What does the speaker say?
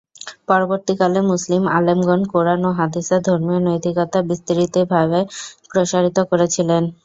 পরবর্তীকালে মুসলিম আলেমগণ কুরআন ও হাদিসের ধর্মীয় নৈতিকতা বিস্তৃতভাবে প্রসারিত করেছিলেন।